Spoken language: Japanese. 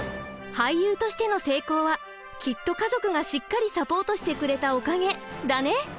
俳優としての成功はきっと家族がしっかりサポートしてくれたおかげだね。